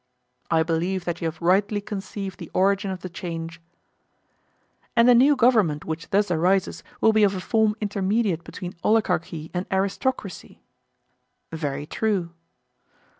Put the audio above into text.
I believe that you have rightly conceived the origin of the change. And the new government which thus arises will be of a form intermediate between oligarchy and aristocracy? Very true.